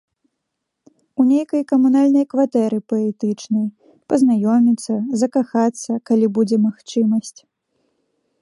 У нейкай камунальнай кватэры паэтычнай, пазнаёміцца, закахацца, калі будзе магчымасць.